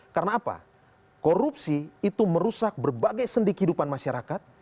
karena apa korupsi itu merusak berbagai sendi kehidupan masyarakat